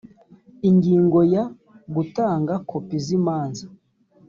ingingo ya gutanga kopi z imanza